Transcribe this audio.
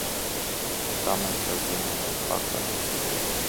Kā mēs tev dzināmies pakaļ!